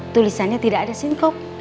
tulisannya tidak ada sinkop